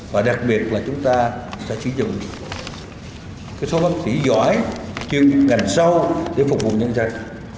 và đặc biệt là chúng ta sẽ sử dụng số bác sĩ giỏi chuyên ngành sâu để phục vụ nhân dân